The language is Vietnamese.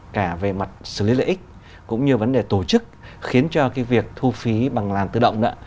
cả về mặt xử lý lợi ích cũng như vấn đề tổ chức khiến cho cái việc thu phí bằng làn tự động